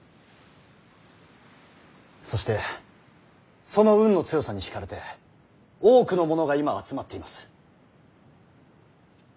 そしてその運の強さに引かれて多くの者が今集まっています。